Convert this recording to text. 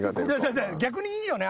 逆にいいよね。